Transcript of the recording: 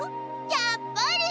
やっぱり！